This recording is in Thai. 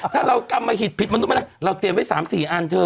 ถ้าเรากำมาหิดผิดมนุษย์มาแล้วเราเตรียมไว้๓๔อันเธอ